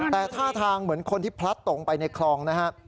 แต่ท่าทางเหมือนคนที่พลัดตกไปในคลองนะฮะ